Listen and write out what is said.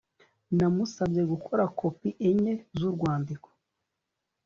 namusabye gukora kopi enye z'urwandiko